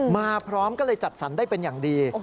มาพร้อมก็เลยจัดสรรได้เป็นอย่างดี